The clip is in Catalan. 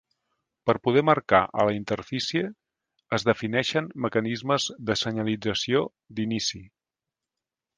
Per poder marcar a la interfície, es defineixen mecanismes de senyalització "d'inici".